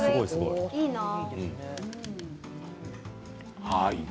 いいな。